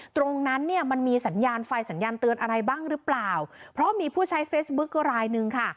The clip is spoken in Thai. ตรงนั้นเนี่ยมันมีสัญญาณไฟสัญญาณเตือนอะไรบ้างหรือเปล่าเพราะมีผู้ใช้เฟซบุ๊กรายหนึ่งค่ะ